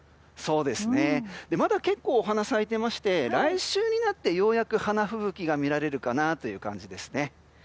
まだ結構、お花咲いていまして来週になってようやく花吹雪が見られるかなという感じですね。